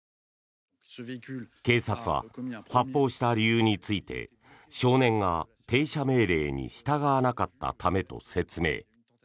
警察は発砲した理由について少年が停車命令に従わなかったためと説明。